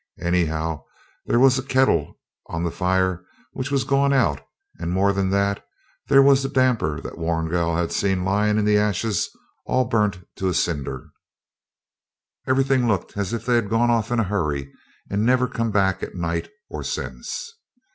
Anyhow, there was a kettle on the fire, which was gone out; and more than that, there was the damper that Warrigal had seen lying in the ashes all burnt to a cinder. Everything looked as if they'd gone off in a hurry, and never come back at night or since.